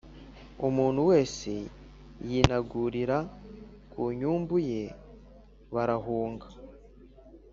umuntu wese yinagurira ku nyumbu ye barahunga.